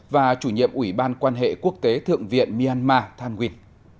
và chủ nhiệm ủy ban quan hệ quốc tế thượng viện myanmar thanh nguyên